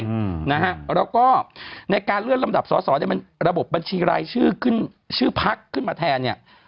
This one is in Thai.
แล้วก็ในการเลื่อนลำดับสอมีระบบบัญชีรายชื่อพลักษณ์ขึ้นมาแทน